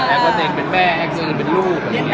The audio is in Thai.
แอคว่าเจ๊เป็นแม่แอคว่าเจ๊เป็นลูก